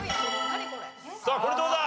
さあこれどうだ？